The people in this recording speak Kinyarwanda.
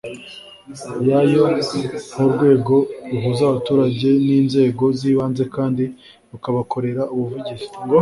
yayo nk urwego ruhuza abaturage n inzego z ibanze kandi rukabakorera ubuvugizi